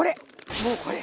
もうこれ。